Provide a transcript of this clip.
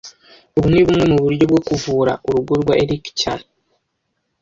Ubu ni bumwe mu buryo bwo kuvura urugo rwa Eric cyane